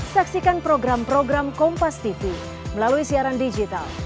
saksikan program program kompas tv melalui siaran digital